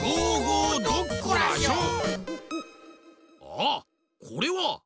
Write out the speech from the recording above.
ああっこれは。